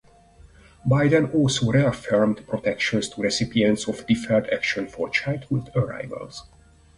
Biden also reaffirmed protections to recipients of Deferred Action for Childhood Arrivals.